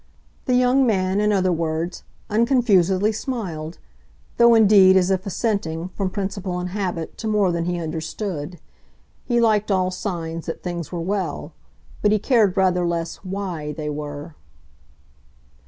The young man, in other words, unconfusedly smiled though indeed as if assenting, from principle and habit, to more than he understood. He liked all signs that things were well, but he cared rather less WHY they were.